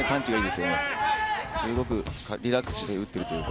すごくリラックスして打っているというか。